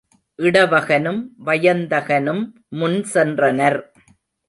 இடவகனும் வயந்தகனும் முன்சென்றனர்.